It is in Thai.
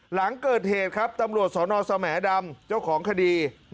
หลังเกิดเหตุครับตำรวจสนสแหมดำเจ้าของคดี